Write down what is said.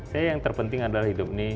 saya yang terpenting adalah hidup nih